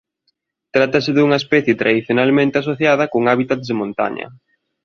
Trátase dunha especie tradicionalmente asociada con hábitats de montaña.